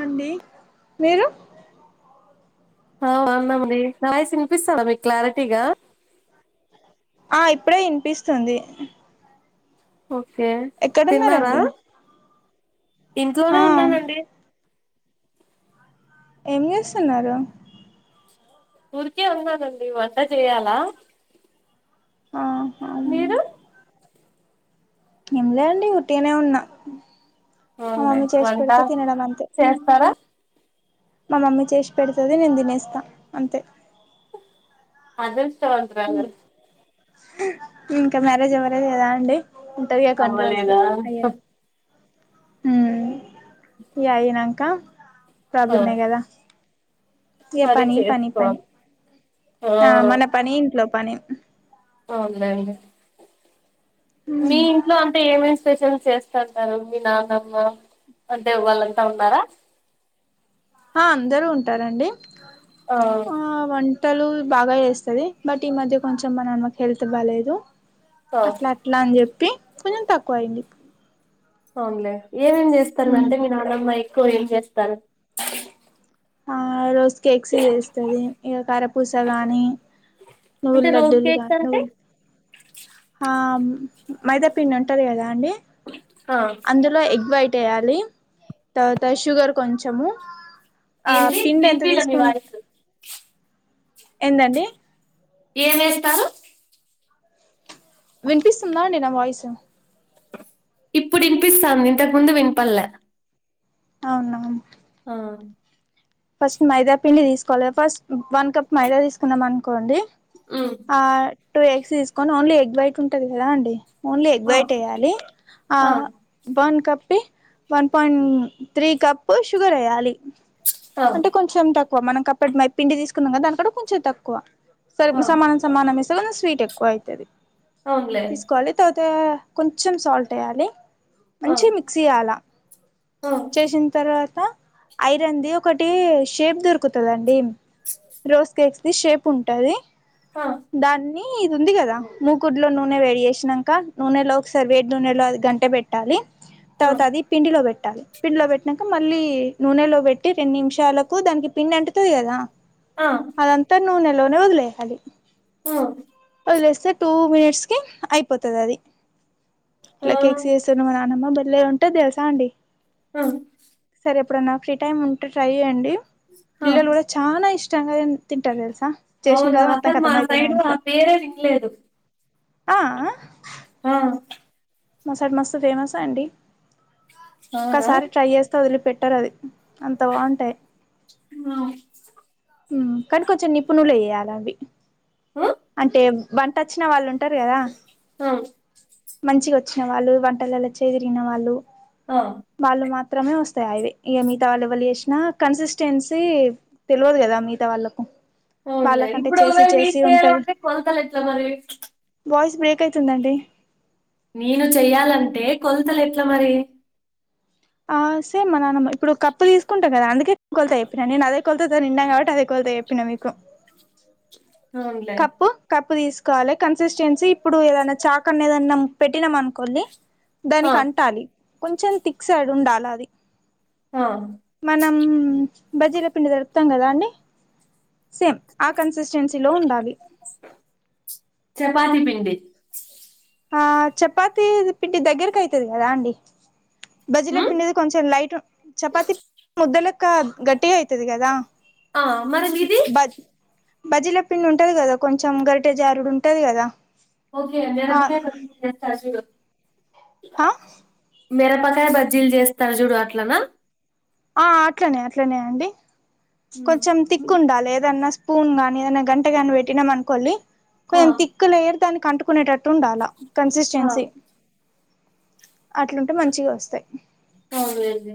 అండి మీరు అ అన్నాండి నావైస్ తినిపిస్తంద మీకు క్లారిటీగా ఆ ఇప్పుడే వినిపిస్తుంది ఓకే తిన్నారా ఎక్కడున్నారండి ఆ ఇంట్లోనే ఉన్నానండి ఏం చేస్తున్నారు ఊరికే ఉన్నానండి వంట చేయాలా ఆ మీరు ఏంలే అండి ఉట్టిగినే ఉన్నా మా అవునులే మమ్మీ చేసి వంట పెడితే తినడం అంతే చేస్తారా మా మమ్మీ చేసి పెడుతది నేను తినేస్తా అంతే అదృష్టవంతురాలు ఇంకా మ్యారేజ్ అవ్వలేదు కదా అండి ఉంటదిగా కొన్ని రోజులు అవ్వలేదా అయ్యా ఉం ఇగా అయినంక ఆ ప్రాబ్లమే కదా ఇగ మరి పని పని పని చేసుకోవాలి ఆ మన పని ఇంట్లో పని అవునులేండి మీ ఇంట్లో అంటే ఏమేం స్పెషల్స్ చేస్తంటారు మీ నాన్నమ్మ అంటే వాళ్ళంతా ఉన్నారా ఆ అందరు ఉంటారండి ఆ ఆ వంటలు బాగా చేస్తది బట్ ఈ మధ్య కొంచెం మా నానకి హెల్త్ బాలేదు ఓకే అట్లా అట్లా అని చెప్పి కొంచెం తక్కువ అయింది అవునులే ఏం ఏం చేస్తారు అంటే మీ నన్నమ ఎక్కువ ఏం చేస్తారు ఆ రోజు కేక్స్ చేస్తది ఇక కారపూస గాని నువ్వులు అంటే రోజ్ లడ్డులుగా కేక్స్ అంటే నువ్వులు ఆ మైదాపిండి ఉంటది కదా అండి ఆ అందులో ఎగ్ వైట్ వేయాలి తర్వాత షుగర్ కొంచెము ఆ ఏంది పిండి ఎంత వినిపిలే మీ తీసుకు వాయిస్ ఎందండి ఏం వేస్తారు వినిపిస్తుందా అండి నా వాయిస్ ఇప్పుడు వినిపిస్తాంది ఇంతకు ముందు వినిపడల అవునా ఆ ఫస్ట్ మైదా పిండి తీసుకోవాలి ఫస్ట్ వన్ కప్ మైదా తీసుకుందాం అనుకోండి ఉమ్ ఆ టూ ఎగ్స్ తీసుకొని ఓన్లీ ఎగ్ వైట్ ఉంటది కదా అండి ఓన్లీ ఎగ్ ఆ వైట్ వేయాలి ఆ వన్ కప్పి one point three cup sugar వేయాలి ఆ అంటే కొంచెం తక్కువ మనం కప్పుడు పిండి తీసుకున్నాం క దాని కూడా కొంచెం తక్కువ స ఆ సమాన సమాన మస స్వీట్ ఎక్కువ అవుతుది అవునులే తీసుకోవాలి [unintelligible] తర్వాత కొంచెం సాల్ట్ వేయాలి ఆ మంచిగా మిక్సీ చేయాలా ఆ చేసిన తర్వాత ఐరన్ ది ఒకటి షేప్ దొరుకుతదండి రోస్ కేక్స్ ది షేప్ ఉంటది ఆ ఆ దాన్ని ఇది ఉంది కదా మూకుడ్లో నూనె వేడి చేసినాక నూనెలో ఒకసారి వేడి నూనెలో అది గంటే పెట్ టాలీ ఆ తర్వాత అది పిండిలో పెట్టాలి పిండిలో పెట్టినాక మళ్ళీ నూనెలో పెట్ట పెట్టీ రెండు నిమిషాలకు దానికి పిండి అంటతది కదా ఆ అదంతా నూనెలోనే వదిలేయాలి ఓ వేస్తే టూ మినిట్స్ కి అయిపోతుంది అది ఆ ఇట్లా ఆ మా నానమ్మ బల్లే ఉంటది తెలుసా అండి ఆ సరే ఎపుడైనా ఫ్రీ టైమ్ ఉంటే ట్రై చెయ్యండి ఆ పిల్లలు కూడా చానా ఇష్టంగా తిం తింటారు తెల్సా అవునా చేసినద అసలు మొత్తాంఖతమై మా సైడు ఆ ఇంట్లో పేరే వినలేదు ఆ అ ఆ మా సైడు మస్తు ఫేమస్ అండి అవునా ఒక్కసారి ట్రై చేస్ వదిలిపెట్టరు అది అంత బాగుంటాయ్ ఉ ఉమ్ కాని కొంచెం నిపుణులు వేయ్యాలి అవి ఆ అంటే బంట వచ్చిన వాళ్ళు ఉంటారు కదా? ఆ మంచిగా వచ్చిన వాళ్ళు వంటలలో చేదిరిగిన వాళ్ళు ఆ వాళ్ళు మాత్రమే వస్తాయి అవి మిగతా వాళ్ళు ఎవ్వళు చేసినా కన్సిస్టెన్సీ తెల్వదు కదా మిగతా వాళ్ళకు అవునులే వాళ్ళకంటే ఇబ్డు చేసి ఒకవేళ చేసి మీక్ ఉంటది చెయ్యాలంటే కొలతలు ఎట్లా మరి? వాయిస్ బ్రేక్ అయితుందండి నేను చెయ్యాలంటే కొలతలు ఎట్లా మరి? ఆ సేమ్ మా నాన్నమ్మ ఇప్పుడు కప్పు తీసుకుంటా కదా అందుకే కొలత ఎప్పినా అదే కొలత తో నిన్నా కాబట్టి అదే కొలత చెప్పినా మీకు అవునులే కప్పు కప్పు తీసుకోవాలి కన్సిస్టెన్సీ ఇప్పుడు ఏదన్నా చాక అన్నా ఏదన్నా పెట్టినాం అనుకోళ్లి ఆ, దానికి అంటాలి కొంచెం థిక్ సైడ్ ఉండాలి అది ఆ మనం బజ్జీల పిండి దొరుపుతాం కదా అండి సేమ్ ఆ కన్సిస్టెన్సీలో ఉండాల్ చపాతి పిండి ఆ చపాతి పిండి దగ్గరకి అయితది కదా అండి బజ్జీల ఉమ్, పిండిది కొంచెం లైట్ చపాతి ముద్దలెక్క గట్టిగా అయితది కదా ఆ, మరి ఇది బజ్ బజ్జీల పిండి ఉంటది కదా కొంచెం గరిటే జారుడు ఉంటది కదా? ఓకే అండి ఆ [unintelligible] సూడు ఆ మిరపకాయల బజ్జీలు చేస్తారు చూడు అట్లనా ఆ అట్లనే అట్లనే అండి ఉమ్, కొంచెం తిక్ ఉండాలి ఏదన్నా స్ స్పూన్ గాని ఏదనా గంటె గాని పెట్టినాం అనుకోళ్ళి కొ ఆ, తిక్కు లేయర్ దానికి అంటు కొనేటట్టు ఉండాల ఆ, కన్సిస్టెన్సీ అట్లుంటే మంచిగా వస్తాయ్ అవున్లే అండి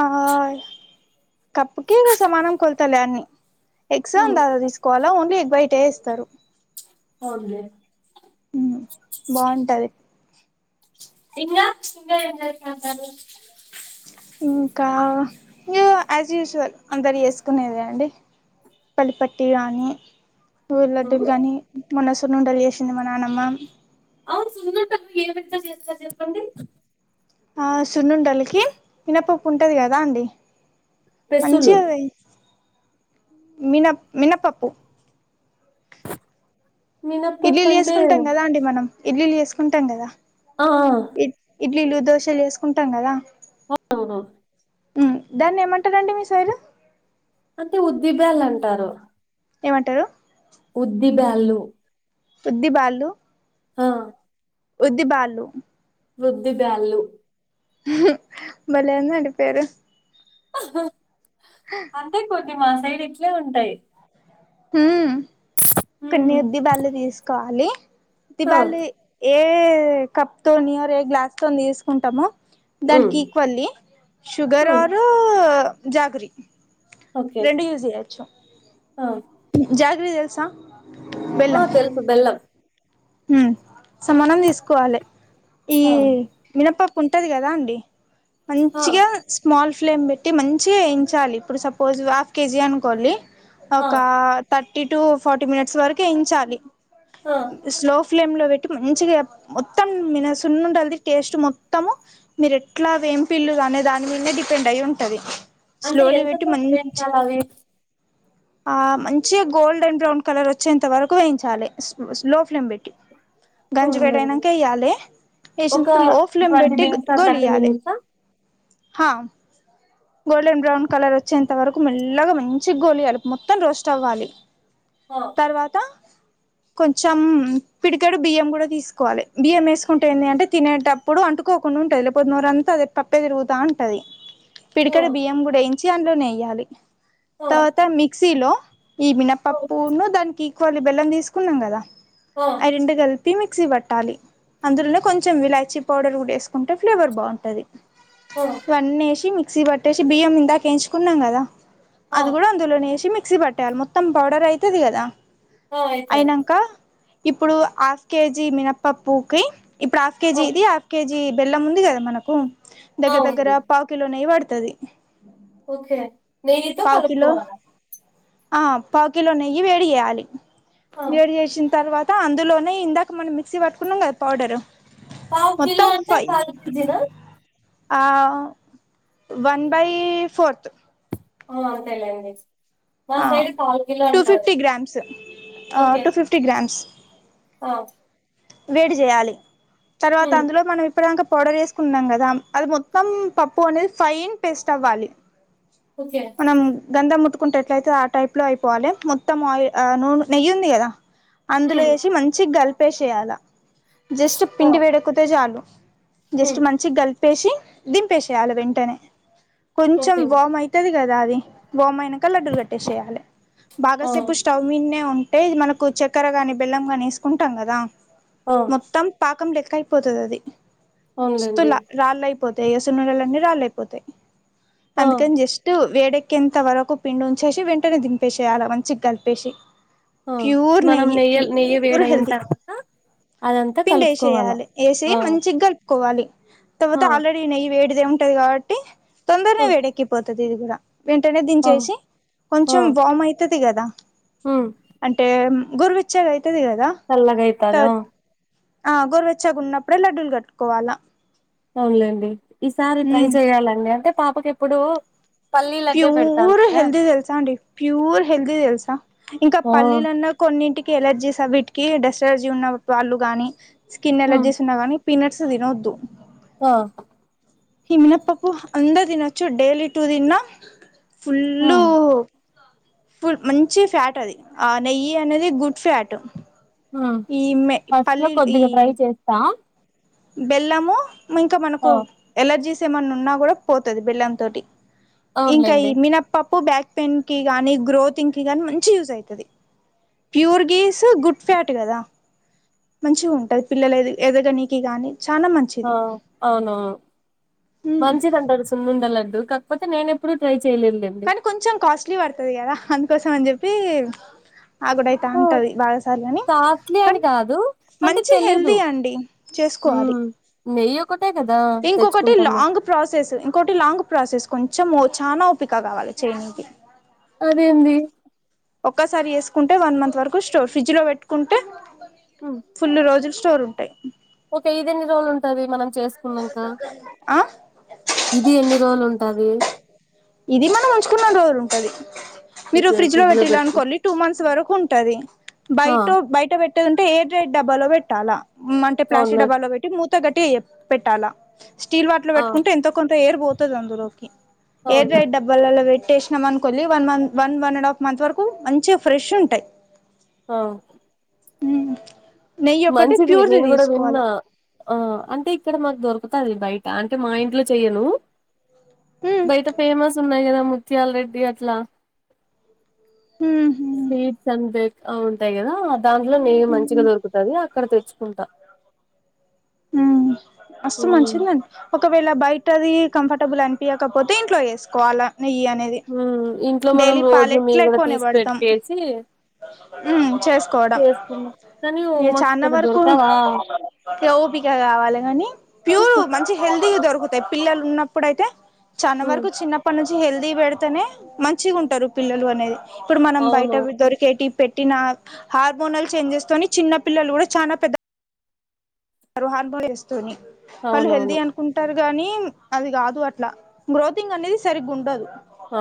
ఆ కప్పుకి సమానం కొల్తలే అన్నీ ఎగ్జామ్ ఉమ్. దాదా తీసుకోవాలా ఓన్లీ ఎగ్వైటే ఇస్తారు అవున్లే ఉమ్ బాగుంటది ఇంగా ఇంగా ఏంచేస్తాంటారు ఇంకా యాజ్ యూజువల్ అందరు ఎస్కునేది అండి పలిపట్టి కానీ ఊర్లడ్డూలు అవును గాని మొన్న సున్నండలు చేసింది మా నానమ్మ అవును సున్నుండలు ఏ విటితో చేస్తారు చెప్పండి ఆ సున్నుండలకి మినపప్పు ఉంటది కదా అండి పెసులు మంచిగాపొయి మిన మినపప్పు మినప్పప్పు ఇడ్లీలు అంటే చేసుకుంటాం కదా అండి మనం ఇడ్లీలు చేసుకుంటాం కదా ఆ, ఇ ఇడ్లీలు దోశలు చేసుకుంటాం కదా అవున ఉ దాన్ని ఏమంటారండి మీ సైడు అంటే ఉద్దిబల్ అంటారు ఏమంటారు ఉద్దిబళ్లు ఉద్ది బాళ్ళు అ ఉద్దిబళ్ళు వుద్ధి డాళ్లు హు బలేవుందండి పేరు అంతే కొద్ది మా సైడ్ ఇట్లనే ఉంటాయి. మ్ కొన్ని ఉమ్, ఉద్దిబళ్ళు తీసుకోవాలి ఆ, ఉద్దిబల్లీ ఏ కప్ తోనిర్ ఏ గ్లాస్ తో తీసుకుంటామో దానికి ఉమ్, ఈక్వల్లీ షుగర్ ఉమ్, ఒరు జాగ్రి ఓకే రెండు యూజ్ చేయొచ్చు ఆ ఉహు జాగ్రి తెల్సా ఆ తెల్గు బెల్లం మ్ సమానం తీసుకోవాలి ఈ ఆ, మినపప్పు ఉంటది కదా అండి ఆ, మంచిగా స్మాల్ ఫ్లేమ్ పెట్టి మంచిగా ఎయించాలి ఇప్పుడు సపోజ్ హాఫ్ కేజీ అనుకొండి. ఆ, ఒక థర్టీ టు ఫార్టీ మినిట్స్ వరకు ఎయీంచాలి. అ స్లో ఫ్లేమ్లో పెట్టి మంచిగా మొత్తం మిన సున్ను ఉండల్ది టేస్ట్ మొత్తము మీరు ఎట్లా వెంపిల్లు అనే దాని మీదే డిపెండ్ అయి ఉంటది. అంటే స్లోలీ ఎంత పెట్టి సెప్ మంచి వెంచాలి అవి ఆ మంచిగా గోల్డెన్ బ్రౌన్ కలర్ వచ్చేంత వరకు వేయించాలి. లో ఫ్లేమ్ పెట్టి గంజి లేదు వేడయినంక వేయ్యాలె వేసిన ఒక తర్వాత లో ఫ్లేమ్ ట్వంటీ పెట్టి గొ మినిట్స్ థర్టీ గోలియ్యాలె మినిట్స్ హా గోల్డెన్ బ్రౌన్ కలర్ వచ్చేంత వరకు మెల్లగా మంచి గోలియాలే మొత్తం రోస్ట్ అవ్వాలి. హ తర్వాత చం పిడికెడు బియ్యం కూడా తీసుకోవాలి బియ్యం వేసుకుంటే ఏంది అంటే తినేటప్పు ప్పుడు అంటుకోకుండా ఉంటది లేకపోతే నోరంతా అది పప్పే తిరుగుతా ఉంటది. [inaudible] పిడికడు బియ్యం కూడా వేయించి అందులోనేయ్యాలి తర్వాత మిక్సీలో ఈ మినపప్పును దానికి ఈక్వల్ బెల్లం తీసుకున్నాం కదా అవి రెండు కలిపి మిక్సీ పట్టాలి అందులోనే కొంచెం ఇలాచీ పౌడర్ కూడా వేసుకుంటే ఫ్లేవర్ బాగుంటది. ఆ అన్ని ఏసి మిక్సీ పట్టేసి బియ్యం ఇందాక ఏయిచుకున్నాం కదా, అది గుడా అందులోనేసి మిక్సీ పట్టాలి మొత్తం పౌడర్ అయితది కదా, అయినంక ఇప్పుడు హాఫ్ కేజీ మినప్పపూకి, ఇప్పుడు హాఫ్ కేజీ ఇది ఆ కే జీ బెల్లం ఉంది కదా మనకు, దగ్గర దగ్గర అవుతుంది పావు కిలో నెయ్యి పడతది. ఓకే నెయ్యితో పావు కిలో కలుపుకోవాలా ఆ పావు కిలో నెయ్యి వేడి చేయాలి ఆ. వేడి చేసిన తర్వాత అందులోనే ఇందాక మనం మిక్సీ పట్టుకున్నం కదా పౌడరు పావు కిలో మొత్తం అంటే ఫై కాల్ కేజీ నా ఆ వన్ బై ఫోర్త్ ఆ అంతేలేండి. మా ఆ సైడ్ పావు కిలో టూ అంటారు ఫిఫ్టీ గ్రామ్స్, ఆ టూ ఫిఫ్టీ గ్రామ్స్. ఓ వేడి చేయాలి, తర్వాత హ్మ్ అందులో మనం ఇప్పదాంక పౌడర్ ఏసుకుంటున్నాం కదా, అది మొత్తం పప్పు అనేది ఫైన్ పేస్ట్ అవ్వాలి. ఓకే మనం గంధం ముత్తుకుంటే ఎట్లయితే ఆ టైప్ లో అయిపోవాలె, మొత్తం ఆయి ఆ నూనె నెయ్యి ఉంది కదా అందులో హ్మ్ ఏసి మంచిగల్పేసేయాల, జస్ట్ ఆ పిండి వేడక్కుతే చాలు జస్ట్ హ్మ్ మంచిగలిపేసి దింపేసేయాల వెంటనే, కొంచం ఓకే వామ్ అయి తది కదా అది, వామ్ అయినంక లడ్డులు కట్టేసేయాలి, ఆ బాగసేపు స్టవ్ మిన్నే ఉంటే మనకు చక్కరగాని, బెల్లం గానీ ఏసుకుంటాం కదా. ఆ తం పాకం లెక్క అయిపోతదది అవునులేండి స్థలా రాళ్ళయిపోతయి ఎసనూలలన్నీ రాళ్ళు అయిపోతయి, ఆ అందుకని జస్ట్ వేడెక్కింత వరకు పిండి ఉంచేసి వెంటనే దింపేసేయాలే మంచిగలిపేసి ఓ మనం నెయ్యల్ నెయ్య వేడయిన తర్వాత అదంతా కలుపుకోవాలా పిండేసేయాలే ఏసి ఆ మంచిగల్ కోవాలి తర్వాత ఆ ఆల్రెడీ నెయ్యి వేడిదే ఉంటది కాబట్టి ఆ తొందరనే వేడెక్కి పోతది గుడ వెంటనే ఆ దించేసి, ఆ కొంచెం బామ్ అయితది కదా హ్మ్ అంటే గురువెచ్చగా అయితది కదా. చల్లగయి త ఆ గరవెచ్చాగున్నప్పుడే లడ్డూలు గట్టుకోవాలా. అవునులేండి ఈసారి ట్రై మ్మ్ చెయాలండి అంటే పాపకి ఎప్పుడు పల్లీ లడ్డే పెడద అంటనా తా అండి ప్యూర్ హెల్దీ తెలుసా, ఇంకా ఆ పల్లీలన్నా కొన్నింటికి ఎలర్జీస్ అవిటికి డస్ట్ ఎలర్జీ ఉన్న వాళ్ళు గాని, స్కిన్ హ్మ్ ఎలర్జీస్ ఉన్నా గని పీనట్స్ దినద్దు వావ్ తిన్నప్పపు అందరూ దినచ్చు డైలీ టూ దిన్న ఫుల్లు హ్మ్ ఇప్పుడు మంచి ఫ్యాట్ అది, ఆ నెయ్యి అనేది గుడ్ ఫ్యాట్ ఉమ్ ఈ మె ఫస్ట్ లో పల్లీలు ఈ కొద్దిగా ట్రై చేస్తా. బెల్లము ఇంకా మనకు ఎలర్జీస్ ఏమన్నా ఉన్నా గుడ పోతది బెల్లంతోటి. ఇంకా ఈ అవునులేండి మినపప్పు బ్యాక్ పెయిన్ కి గాని, గ్రోత్ంగ్ కి గాని మంచిగా యూజ్ అయితది. ప్యూర్ గీస్ గుడ్ ఫ్యాట్ కదా, మంచిగ ఉంటది పిల్లలు ఎద ఎదగని కి గాని చానా మం ఆ అవునవును ఉమ్ మంచిదని తెలుసు. సున్నుండలడ్డు కాక్పోతే నేనెప్పుడు ట్రై చేయలేద్లెండి. కానీ కొంచం కాస్ట్లీ వడ్తద్ గదా అందుకోసం అన్ జెప్పి ఆగుడైత అంటది బాగా సార్ గని కన్ ఇగాదు మంచి హెల్ది అండి చేస్కోవాలి. నెయ్యొకటే గదా తెచ్చుకుంటామ్ లాంగ్ ప్రాసెస్ ఇంకోటి లాంగ్ ప్రాసెస్ కొంచము చానా ఓపిక గావాలే చేయ్నీకే అదేంది ఒక్కసారి యేస్కుంటే వన్ మంత్ వరకు స్టోర్ ఫ్రిడ్జ్ లో వెట్కుంటే ఉ ఫుల్లు రోజుల్ స్టోర్ ఉంటాయ్ ఓకే ఇదేన్ని రోల్ ఉంటాది మనం చేస్ కున్నాంకా ఆ ఇది ఎన్ని రోల్ ఉంటది ఇది మనం ఉంచుకున్నన్ రోజుల్ ఉంటది మీరు ఫ్రిడ్జ్ లో వెట్టిల్ అనుకోల్లి టూ మంత్స్ వరకు ఉంటది ఆ బైటో బయట వె ట్టేద్ ఉంటే ఏర్ ట్రైడ్ డబ్బాలో వెట్టాల మంటే ప్లాస్టిక్ అవునులే డబ్బాలో వెట్టి మూత గట్టిగ పెట్టాల స్టీల్ వాట్లో ఆ వెట్కుంటే ఎంతో కొంత ఎర్ వోతద్ అందులోకి ఎర్డ్రైడ్ అవునులేండి డబ్ వళ్ళలా వెట్టేశ్నం అనుకోలి one Mann one one and half months వరకు మంచిగా ఫ్రెష్ ఉంటయ్. అవ్ ఉం ఉ మంచిది నేన్ గుడా విన్నా ఆ అంటే ఇక్కడ మాక్ దొరుకుతాది బయట అంటే మా ఇంట్లో చెయ్యను. బయట ఫేమస్ ఉన్నాయి గదా ముత్యాల్ రెడ్డి అట్లా స్వీట్స్ అన్ బేక్ ఆ ఉంటాయి కదా దాంట్లో నే మంచిగా దొరుకు తది అక్కడ తెచ్కుంటా ఉం మస్సు ఉమ్ మంచిదిగన్ ఒకవేళ బయటది కంఫర్టబుల్ అనిపియకపోతే ఇంట్లో యేస్కోవాలా నెయ్యి అనేద్ ఉమ్ ఇంట్లో మనం డైలీ రోజు మీగడ పాలెట్లెక్కువనే తీసి వడ్తం పెట్టేసి కోడం చేసుకున్నాం కానీ ఇగ మాకు ఇక్కడ చానవరకు దొరకవా ఇగ ఓపిక గావాలే గని ప్యూరు మంచి హెల్తీగ దొరుకుతయ్ పిల్లలున్నప్పుడైతే చాన ఉమ్ వరకు చిన్నప్పడ్ నుంచి హెల్తీ వెడ్తేనే మంచి ఉంటారు పిల్లలు అనేది ఇప్పుడు మనం అవును బయటవి దొరికేటి పెట్టినా హార్మోనల్ చేంజెస్తోని చిన్న పిల్లలు గుడా చాన పెద్ద తర్హాన్ భవి జెస్తుని వాళ్ళు హెల్దీ అవునవును అన్ కుంటారు గాని అది గాదు అట్ల గ్రోతింగ్ అనేది సరిగ్గుండదు. ఆ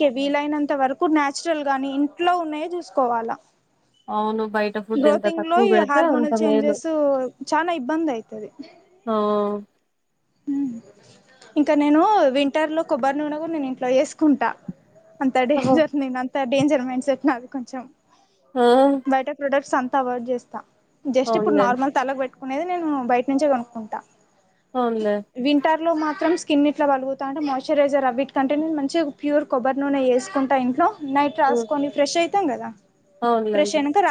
కే వీలైనంత వరకు నచురల్ గాని ఇంట్లో ఉన్నాయే జుస్కోవాలా అవును బయట ఫుడ్ ఎంత గ్రోతింగ్ లో తక్కువ ఈ పెడితే అంత హార్మోనల్ మేలు చేంజెసు చాన ఇబ్బందైతది నావ్ ఇంక నేను వింటర్ లో కొబ్బర్ నూన గుడ్ నేన్ ఇంట్లో యేస్కుంటా. అంత డేంజరస్ నేన్ అంత డేంజర్ మైండ్సెట్ నాది కొంచం వవున్ బయట ప్రొడక్ట్స్ అంతా అవైడ్ జేస్తా జస్ట్ ఇప్పుడ్ అవునులే నార్మల్ తలక్ వె కునేది నేను బయట్నుంచే కొనుక్కుంటా అవునులే వింటర్ లో మాత్రం స్కిన్ ఇట్లా పలుగుతాంటె మాయిశ్చరైసర్ అవిటి కంటే నేను మంచిగా ప్యూర్ కొబ్బరి నూనె ఏసుకుంటా ఇంట్లో నైట్ ఉమ్, రాసుకొని ఫ్రెష్ అయితాం కదా ఫ్రెష్ అవునులేండి అయినాక